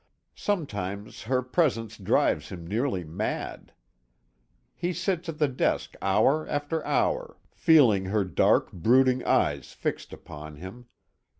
Sometimes her presence drives him nearly mad. He sits at the desk hour after hour, feeling her dark, brooding eyes fixed upon him.